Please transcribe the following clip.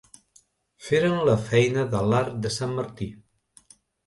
Feren la feina de l'arc de sant Martí.